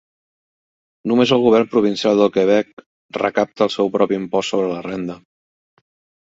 Només el govern provincial del Quebec recapta el seu propi impost sobre la renda.